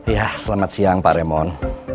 ya selamat siang pak remon